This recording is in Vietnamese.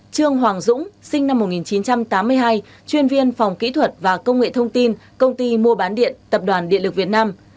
năm trương hoàng dũng sinh năm một nghìn chín trăm tám mươi hai chuyên viên phòng kỹ thuật và công nghệ thông tin công ty mua bán điện tập đoàn điện lực việt nam